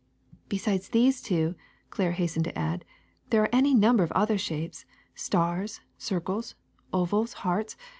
*' Besides these two," Claire hastened to add, *Hhere are any number of other shapes — stars, cir cles, ovals, hearts.